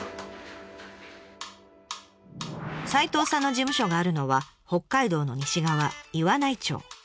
齋藤さんの事務所があるのは北海道の西側岩内町。